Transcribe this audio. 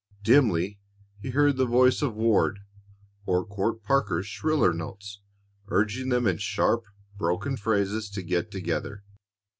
Dimly he heard the voice of Ward, or Court Parker's shriller notes, urging them in sharp, broken phrases to get together.